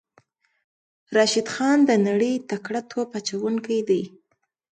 راشد خان د نړۍ تکړه توپ اچوونکی دی.